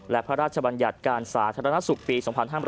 และพระราชบัญญัติการสาธารณสุขปี๒๕๕๙